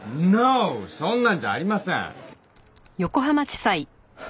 そんなんじゃありません！